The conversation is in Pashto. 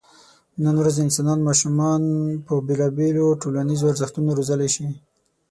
نن ورځ انسانان ماشومان په بېلابېلو ټولنیزو ارزښتونو روزلی شي.